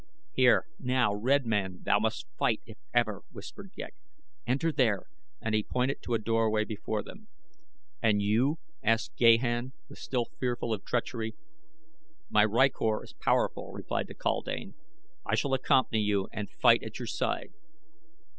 "Here, now, red man, thou must fight, if ever," whispered Ghek. "Enter there!" and he pointed to a doorway before them. "And you?" asked Gahan, still fearful of treachery. "My rykor is powerful," replied the kaldane. "I shall accompany you and fight at your side.